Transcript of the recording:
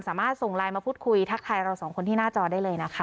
ส่งไลน์มาพูดคุยทักทายเราสองคนที่หน้าจอได้เลยนะคะ